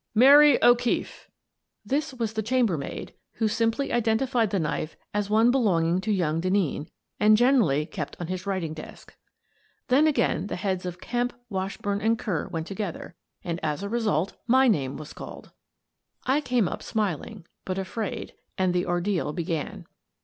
"Mary O'Keif!" This was the chambermaid, who simply identified the knife as one belonging to young Denneen, and generally kept on his writing desk. Then again the heads of Kemp, Washburn, and Kerr went together, and, as a result, my name was called. I came up smiling, but afraid, and the ordeal began.